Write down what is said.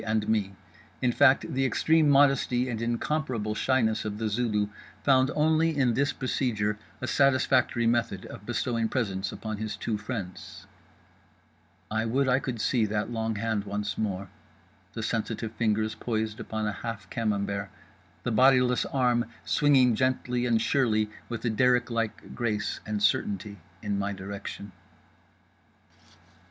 and me: in fact the extreme modesty and incomparable shyness of The Zulu found only in this procedure a satisfactory method of bestowing presents upon his two friends … I would I could see that long hand once more, the sensitive fingers poised upon a half camembert; the bodiless arm swinging gently and surely with a derrick like grace and certainty in my direction….